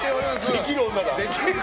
できる女だ！